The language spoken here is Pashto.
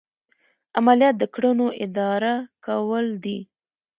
عملیات د کړنو اداره کول دي.